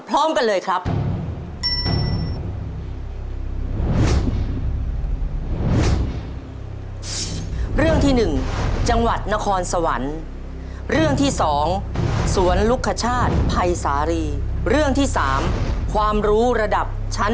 พร้อมกันเลยครับ